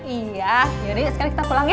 iya yurie sekarang kita pulang ya